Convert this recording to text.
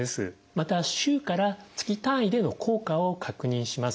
また週から月単位での効果を確認します。